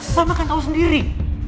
mama kan tahu sendiri